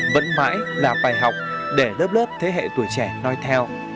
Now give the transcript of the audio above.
vẫn mãi là bài học để lớp lớp thế hệ tuổi trẻ nói theo